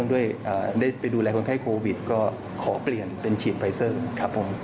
ได้ไปดูแลคนไข้โควิดก็ขอเปลี่ยนเป็นฉีดไฟเซอร์ครับผม